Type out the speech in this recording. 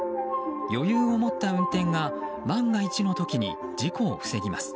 余裕を持った運転が万が一の時に事故を防ぎます。